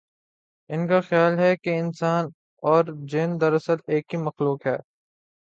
ان کا خیال ہے کہ انسان اور جن دراصل ایک ہی مخلوق ہے۔